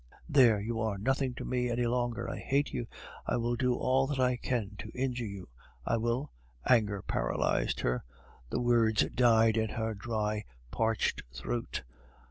There, you are nothing to me any longer. I hate you. I will do all that I can to injure you. I will..." Anger paralyzed her; the words died in her dry parched throat.